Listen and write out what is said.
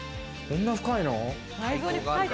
こんな深いの？